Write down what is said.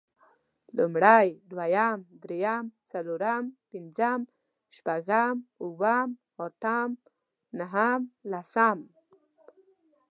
لومړی، دويم، درېيم، څلورم، پنځم، شپږم، اووم، اتم نهم، لسم